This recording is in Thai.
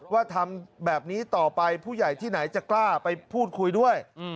ว่าทำแบบนี้ต่อไปผู้ใหญ่ที่ไหนจะกล้าไปพูดคุยด้วย